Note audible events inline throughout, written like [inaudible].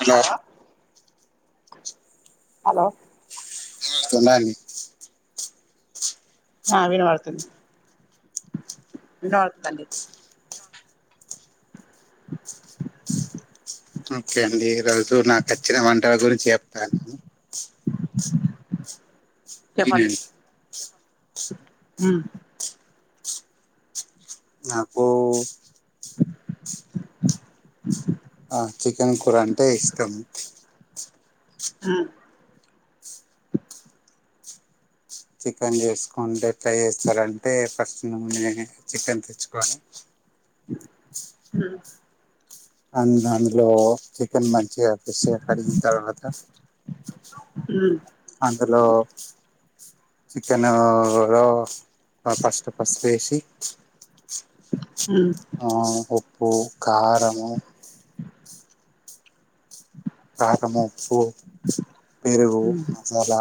Hello hello వినిపితుందా అండీ ఆ వినవార్తుంది వినవత [unintelligible] ఓకే అండి ఈ రోజు నాకు వచ్చిన వంటల గురించి చెప్తాను నేను వినండి, ఉ నాకు ఆ చికెన్ కూర అంటే ఇష్టం ఆ చికెన్ చేసుకుంటే ఎట్లా చేస్తారంటే ఫస్ట్ ముందె నేను చికెన్ తెచ్చుకొండి. హ అ అందులో చికెన్ మంచిగా ఫెష్గా కడిగిన తర్వాత అందులో చికెన్ లో పసు పసుపు వేసి ఆ ఉప్పు, కారంము కారము, ఉప్పు, పెరుగు మసాలా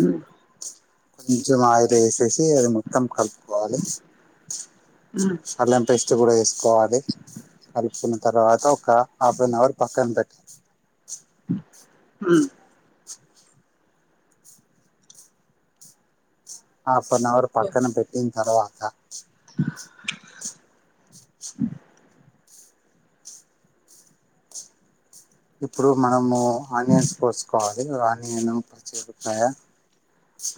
ఉ కొంచెం ఆయిల్ వేసేసి అది మొత్తం కలుపు కోవాలి అల్లెం పేస్ట్ కూడా వేసుకోవాలి. కలుపుకున్న తర్వాత ఒక హాఫ్ అన్ అవర్ పక్కన పెట్టా హు హాఫ్ అన్ అవర్ పక్కన పెట్టిన తర్వాత [unintelligible] ఇప్పుడు మనము ఆనియన్స్ కోసుకోవాలి ఆనియన్ పచ్చిమీరపకాయ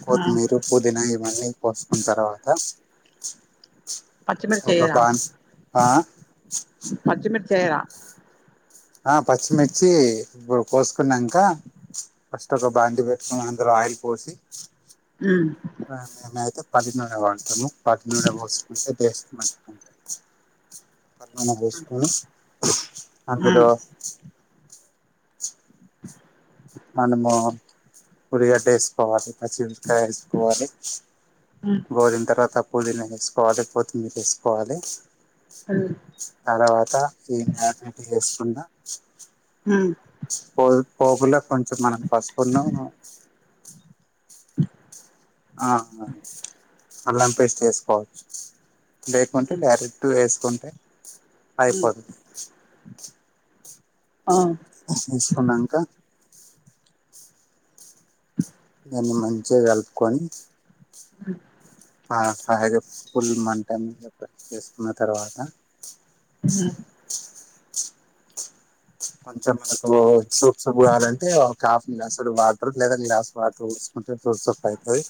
కొత్తిమీర, పుదీనా ఇవన్నీ కోసుకున్న తర్వాత, ఒక బన్ ఆ చేరా ఆ పచ్చిమిర్చి కోసుకున్నాంకా ఫస్ట్ ఒక బాన్డి పెట్టుకుని అందులో ఆయిల్ పోసి, మేముయితే పల్లి నూనె వాడతాము పల్లి నూనె పోసుకుంటే టేస్ట్ మంచిగా ఉంటుంది. మొత్తం ఒక స్పూన్ అందులో ఉల్లిగడ్డ వేసుకోవాలి. పచ్చి మిరపకాయ వేసుకోవాలి, గోలిన తరువాత, పుదీనా వేసుకోవాలి, కొత్తిమీర వేసుకోవాలి. తర్వాత ఈ మ్యాగ్నెట్ వేసుకున్న, పో పోపులో కొంచెం మనం పసుపు ను చేసుకోవచ్చు లేకుంటే డైరెక్ట్ వేసుకుంటే, అయిపోది. వేసుకున్నాంక, దాన్ని మంచిగా కలుపుకొని అ హాగా ఫుల్ మంట మీద చేసుకున్న తర్వాత ఉ కొంచెం మనకు సూప్ సూప్ కావాలంటే ఒక హాఫ్ గ్లాసుడు వాటర్ లేదా గ్లాస్ వాటర్, పోసుకుంటే సూప్ అయితది.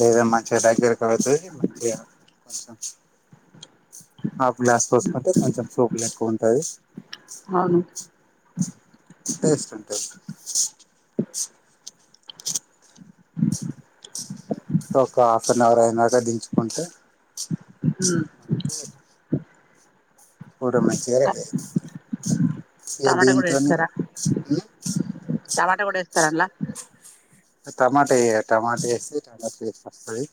లేదా మంచిగా దగ్గరికి అయితది, మంచిగా కొంచెం హాఫ్ గ్లాస్ పోసుకుంటే కొంచెం సూపు లెక్క ఉంటది. టేస్ట్ ఉంటది [inaudible] ఒక హాఫ్ అన్ అవర్ అయినాక దించుకుంటే హ్మ్ కూర మంచిగా రెడీ అయితది. ఇగ దీంతోని మ్మ్ టమాటా కూడా వేస్తారా ఆన్ల టమాటా ఎయరు టమాట వేస్తే టమాట టేస్ట్ వస్తది.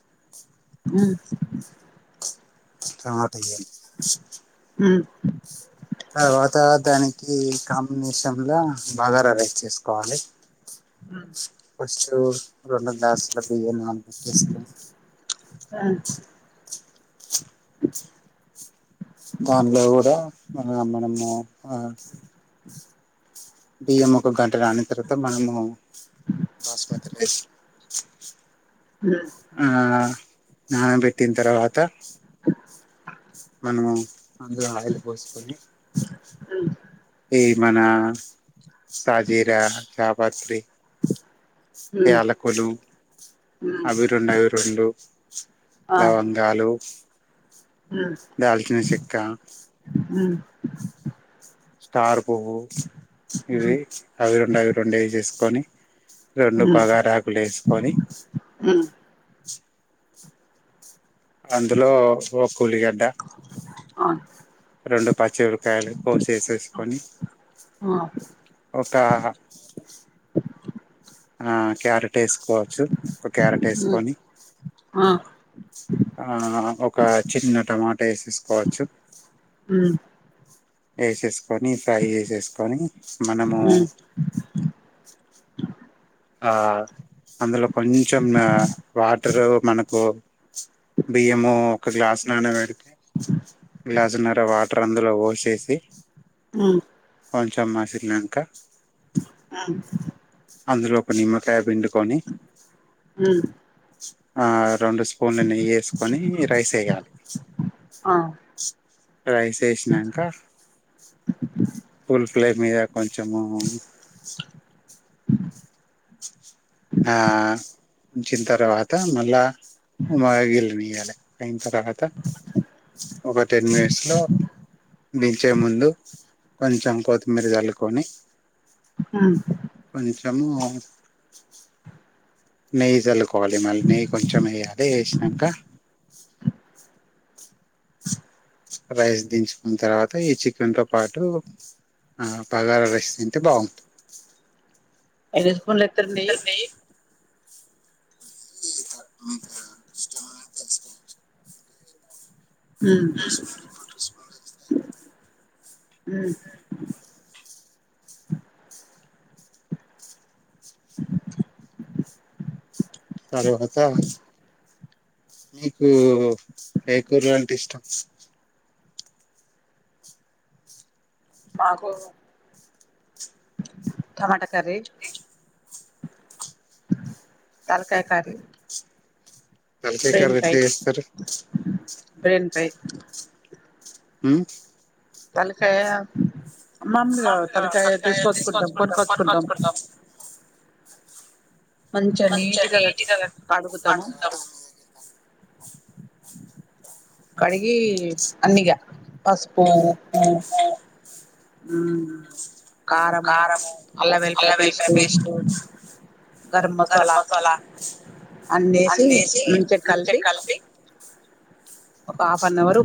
ఉ మ్మ్ టమాటా ఎయ్యరు తర్వాత దానికి కాంబినేషన్ లో బగార రైస్ చేసుకోవాలి. ఫస్ట్ రెండు గ్లాసుల బియ్యం నానబేట్టేసుకోని దానిలో కూడా ఆ మనము ఆ బియ్యం ఒక గంట నానిన తర్వాత మనము బాస్మతి రైస్ ఆ నాన పెట్టిన తర్వాత మనము అందులో ఆయిలు పోసుకొని అ ఈ మన సాజీర, జాపత్రి. యాలకులు అవి రెండు అవి రెండు లవంగాలు. దాల్చిన చెక్కా స్టార్ పువ్వు ఇవి అవి రెండు అవి రెండు వేసేసుకొని రెండు బగారకులు వేసుకొని అందులో ఒక పోప్ లో ఉలిగడ్డ అవును పచ్చి మీరపకాయలు ఒక ఆ క్యారెట్ వేసుకోవచ్చు. ఒక క్యారెట్ వేసుకొని ఆ ఒక చిన్న టమాటా వేసేసుకోవచ్చు. ఉమ్మ్ వేసేసుకొని ఫ్రై చేసుకొని మనము [inaudible] ఆ అందులో కొంచెం వాటరు మనకు బియ్యము ఒక గ్లాస్ నాన పెడితే గ్లాసు నర వాటర్ అందులో పొసేసి ఆ కొంచమ్ మసీలి నంకా ఆ అందులో ఒక నిమ్మకాయ పిండుకొని ఆ రెండు స్పూన్లు నెయ్యి వేసుకొని రైస్ వేయాలి రైస్ వేసినంకా పుల్ ప్లేను మీద కొంచము ఆ వచ్చినతర్వాత మళ్ళ ఉమ్మాగిల్ తియ్యలే అయిన తర్వాత ఒక టెన్ మినిట్స్ లో దించే ముందు కొంచెం కొత్తిమీర జల్లుకొని కొంచము నెయ్యి చల్లుకోవాలి మళ్ళీ నెయ్యి కొంచెం వేయాలి వేసినాక రైస్ దీచుకున్న తర్వాత ఈ చికెన్ తో పాటు ఆ పగార రైస్ తింటే బాగుంటుంది ఎన్ని స్పూన్లు ఎత్తరండి [unintelligible] ఇష్టమా తెలుసుకోవచ్చు [inaudible] అయిపోతుంది మ్మ్ తరువాత మీకు ఏకూర్లంటే ఇష్టం మాకు టమాటా కర్రీ తలకాయ కర్రి తలకాయ కర్రీ ఎట్ల జెస్తరు బ్రెన్ పై మ్ తలకాయ మాములుగా తలకాయ తీసుకొచ్చుకుంటాం కొనుకొచ్చుకుంటాం పంచనేటిదను [unintelligible] కడిగి అన్నిగా పసుపు ఉప్పు మ్ కారము అల్లం వెల్లిపాయ పేస్ట్ గరం మసాలా అంన్నెసి మంచిగ కలిపి ఒక హాఫ్ అన్ అవర్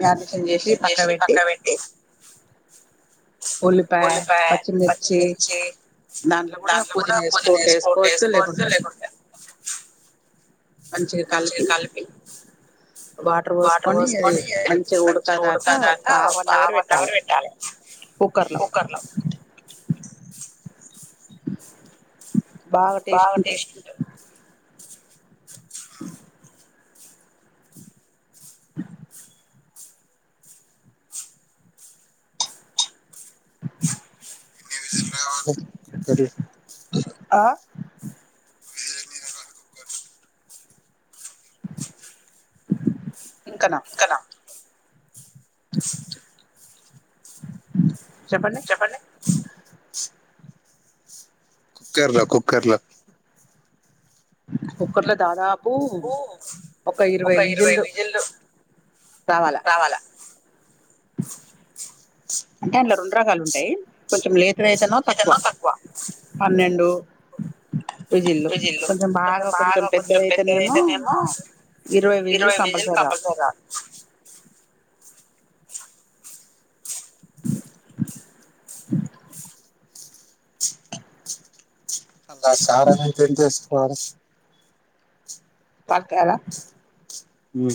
మ్యాగీనెషన్ జెసి పక్క పెట్టి ఉల్లిపాయ పచ్చిమిర్చి దాంట్లో గుడా పూదీన ఏసుకోంటే ఏసుకోచ్చు లేకుంటే లె మంచిగా కలిపి వాటర్ పోసుకొని మంచిగా ఉడకదనాకా ఒక హాఫ్ అన్ అవర్ పెట్టాలె కుక్కర్ లో బాగా టేస్ట్ ఉంటది ఆ ఇంకనా చెప్పండి కుక్కర్ల కుక్కర్ల కుక్కర్లో దాదాపు ఒక ఇరవై విజిల్లు రావాలా అంటే అందులో రెండు రకాలు ఉంటాయి కొంచెం లీటర్ అయితేనో తక్కువ పన్నెండు విజిల్లు కొంచెం బాగా కొంచెం పెద్దగయితేనేమో ఇరవై విజిల్లు కంపల్సరీ రా ఆ సారమంతెంతే ఏసుకోవాలి తల్ కార మ్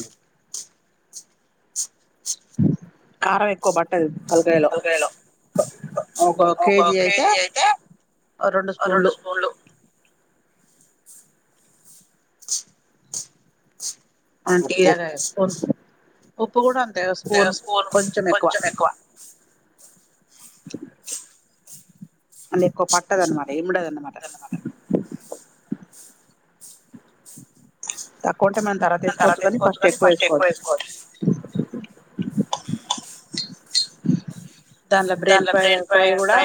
కారం ఎక్కువ పట్టది తలకాయలో ఒక కేజీ అయితే ఓ రెండు స్పూన్లు [inaudible] మనం టీ తాగే స్పూన్ ఉప్పు కూడా అం తే స్పూన్ కొంచెం ఎక్కువ [inaudible] అల్ల ఎక్కువ పట్టదనమాట ఇమడదనమాట తర్వాత ఎస్కోవచ్చు కానీ ఫస్ట్ ఎక్కువ ఎస్కోవొచ్ దానిలో బ్రెన్ ఫై ఫ్రై కుడా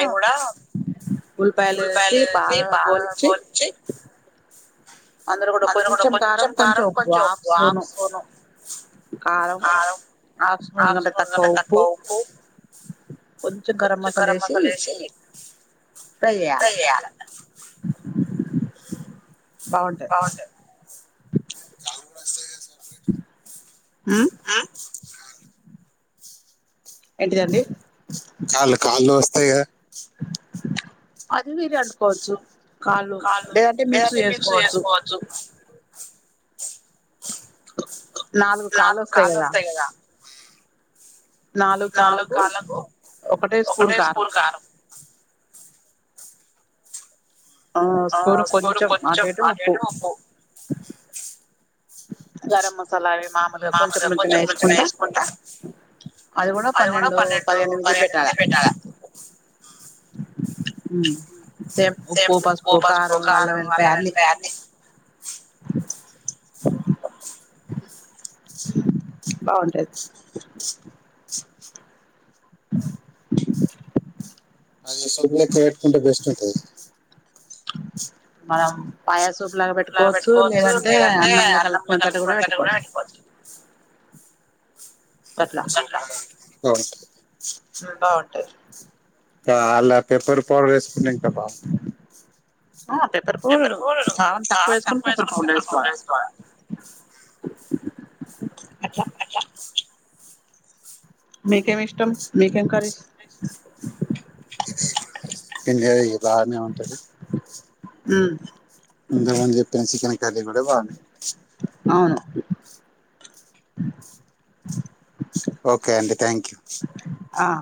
ఉల్పాయలు వేసి బాగా గోలిచ్చి అందులో కుడ కొంచెం కారం, కొంచెం ఉప్పు హాఫ్ స్పూను కారం హాఫ్ స్పూన్ కంటే తక్కువ ఉప్పు కొంచెం గరంమసాల ఎషి ప్రై చెయ్యాల బాగుంటాయి ఆ [inaudible] ఏంటిదండి కాల్ కాళ్ళు నోస్తయి గా అది మీరొండుకోవచ్చు కాళ్ళు లేదంటే మిక్స్ చేసుకోవచ్చు నాలుగు కాళ్ళు వస్తయి గదా నాలుగు కాళ్ళకు ఒకటె స్పూన్ కారం ఆ స్పూను కొంచెం అటి ఇటు ఉప్పు గరం మసాలా అవి మాములుగా కొంచెం కొంచెంగా ఎసుకుంట అది కుడా పన్నెండు, పదిహేను విజిల్ పెట్టాల హ్మ్ సేమ్ ఉప్పు, పసుపు, కారం, అల్లం, వెల్లిపాయి అన్ని బాగుంటది [inaudible] [inaudible] అది సబ్బులు ఎక్కువ పెట్టుకుంటే బెస్ట్ ఉంటది. మనం పాయసం లాగా పెట్టుకోవచ్చు లేదంటే అన్నంలా కలుపుకునేటట్టు కుడా పెట్టుకోవచ్చు. [unintelligible] తింటా ఉంటే అల్ల పెప్పర్ పౌడర్ వెస్కొకుంటే ఇంకా బాగుంటది. పెప్పర్ పౌడరు కారం తక్కువ వేసుకొని పెప్పర్ పౌడర్ ఎసుకోవాలి గట్ల మీకేం ఇష్టం మీకేం కర్రీస్ పిందెదీ బాగ్నే ఉంటది మ్మ్ ఇంతకు ముందు చెప్పిన చికెన్ కర్రీ గూడ బాగుం అవును ఓకే అండి థ్యాంక్యూ ఆఁ